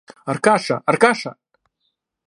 Аркаша! Аркаша!